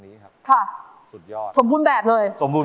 อุบันติเหตุหัวหัวใจหุกรณีรักกันบ่มีส่องเอง